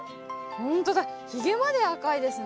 ほんとだひげまで赤いですね。